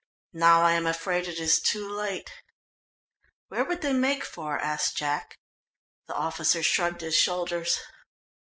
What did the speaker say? Now I am afraid it is too late." "Where would they make for?" asked Jack. The officer shrugged his shoulders.